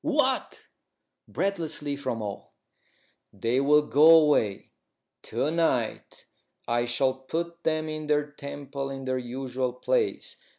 "What?" breathlessly, from all. "They will go away. To night I shall put them in their temple in their usual place.